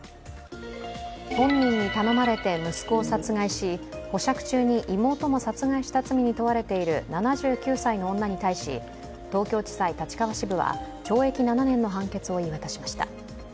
本人に頼まれて息子を殺害し保釈中に妹も殺害した罪に問われている７９歳の女に対し東京地裁立川支部は懲役７年の判決を言い渡しました。